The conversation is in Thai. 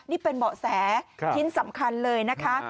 นี่เป็นเบาะแสชิ้นสำคัญเลยนะคะ